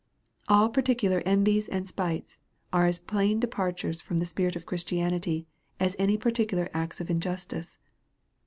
All particular envies and spites, are as plain depart ures from the spirit of Christianity, as any particular acts of injustice.